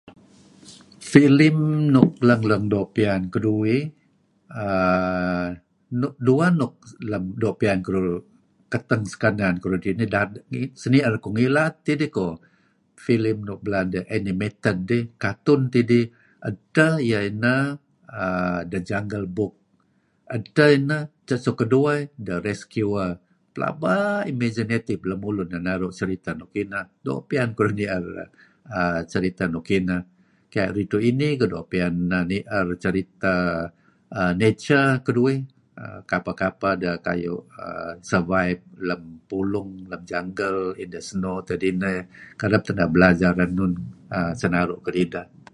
"Filem nuk leng doo' piyan keduih uhm dueh nuk piyan keduih sekanan kuh paad kinih, Sinier kuh ngilad kidih kuh filim 'animated' dih, cartoon tidih. Edteh iyeh ineh uhm ""The Jungle Book"" edteh ineh. Suk kedueh dih ""The Rescuer"". Pelaba imaginative lemulun nuk naru' filem nuk inih. Doo' piyan keduih ngen seriteh nuk ineh. Ridtu' inih doo' piyan keduih nier nature kapeh deh naru' survive lem pulung lem snow nuk kineh. Kereb teh narih sinaru' kedideh."